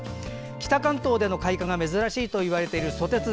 北関東での開花が珍しいといわれているソテツ。